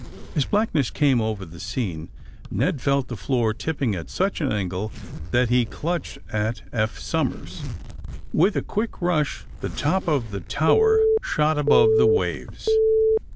As blackness came over the scene Ned felt the floor tipping at such an angle that he clutched at Eph Somers. With a quick rush the top of the tower shot above the waves.